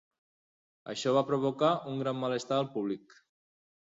Això va provocar un gran malestar públic.